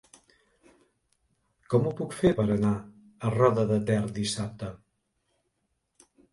Com ho puc fer per anar a Roda de Ter dissabte?